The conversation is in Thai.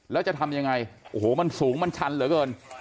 แล้วจะทำยังไงโอ้โหมันสูงมันชันเหลือเกิน